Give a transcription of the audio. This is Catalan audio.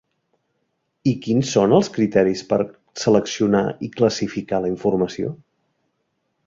I quins són els criteris per seleccionar i classificar la informació?